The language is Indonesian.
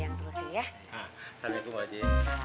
assalamu'alaikum bu haji